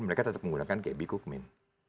mereka tetap menggunakan kb kukmin